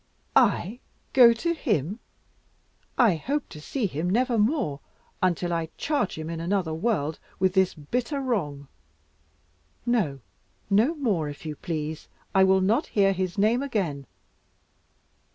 "I go to him! I hope to see him never more until I charge him in another world with this bitter wrong. No, no more if you please; I will not hear his name again.